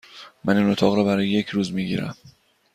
من این اتاق را برای یک روز می گیرم.